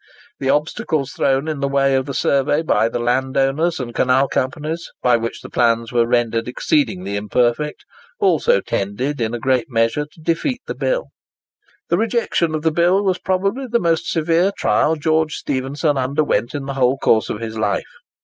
The obstacles thrown in the way of the survey by the landowners and canal companies, by which the plans were rendered exceedingly imperfect, also tended in a great measure to defeat the bill. The rejection of the bill was probably the most severe trial George Stephenson underwent in the whole course of his life.